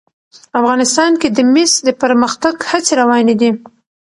افغانستان کې د مس د پرمختګ هڅې روانې دي.